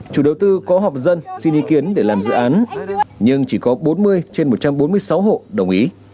chủ đầu tư có họp dân xin ý kiến để làm dự án nhưng chỉ có bốn mươi trên một trăm bốn mươi sáu hộ đồng ý